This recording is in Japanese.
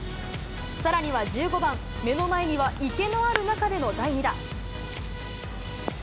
さらには１５番、目の前には池のある中での第２打。